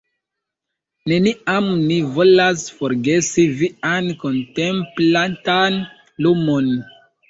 Neniam ni volas forgesi vian kontemplatan Lumon.